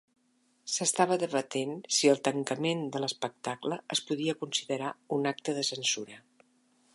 S'estava debatent si el tancament de l'espectacle es podia considerar un acte de censura.